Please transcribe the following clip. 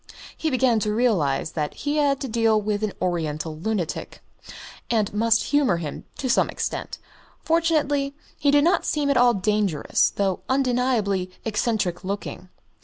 He began to realise that he had to deal with an Oriental lunatic, and must humour him to some extent. Fortunately he did not seem at all dangerous, though undeniably eccentric looking.